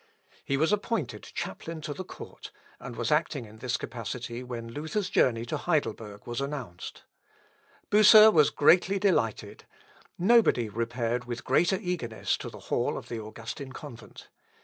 He was appointed chaplain to the court, and was acting in this capacity when Luther's journey to Heidelberg was announced. Bucer was greatly delighted; nobody repaired with greater eagerness to the hall of the Augustin convent.